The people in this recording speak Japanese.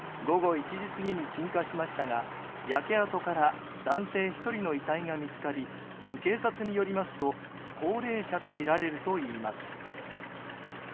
午後１時過ぎに鎮火しましたが焼け跡から男性１人の遺体が見つかり警察によりますと高齢者とみられるといいます。